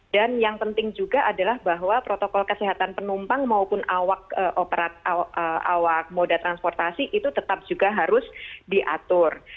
dan yang penting juga adalah bahwa protokol kesehatan penumpang maupun awak moda transportasi itu tetap juga harus diatur